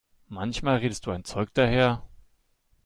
Manchmal redest du ein Zeug daher!